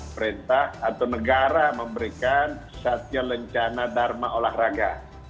perintah atau negara memberikan satya lencana dharma olahraga